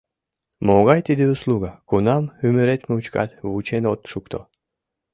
Могай тиде услуга, кунам ӱмырет мучкат вучен от шукто.